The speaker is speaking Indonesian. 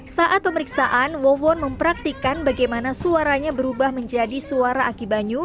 saat pemeriksaan wawon mempraktikkan bagaimana suaranya berubah menjadi suara akibanyu